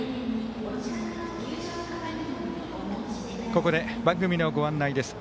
ここで番組のご案内です。